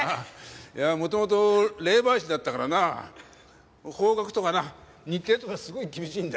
いや元々霊媒師だったからな方角とかな日程とかすごい厳しいんだ。